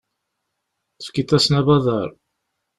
Tefkiḍ-asen abadaṛ.